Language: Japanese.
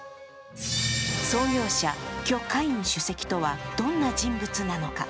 創業者、許家印主席とはどんな人物なのか。